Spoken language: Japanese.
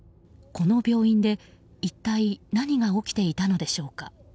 この病院で一体何が起きていたのでしょうか。